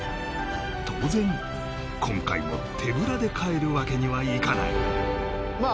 当然今回も手ぶらで帰るわけにはいかないまあ